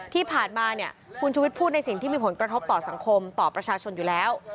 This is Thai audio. ที่ผ่านมาเนี่ยคุณชุวิตพูดในสิ่งที่มีผลกระทบต่อสังคมต่อประชาชนอยู่แล้ว